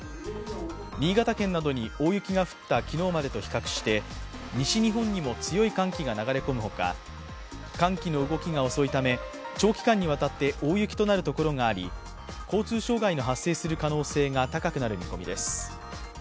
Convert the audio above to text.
新潟県などに大雪が降った昨日までと比較して西日本にも強い寒気が流れ込むほか、寒気の動きが遅いため長期間にわたって大雪となるところがあり、交通障害の発生する可能性が高くなる見込みです。